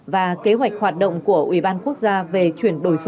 và kế hoạch hoạt động của ubnd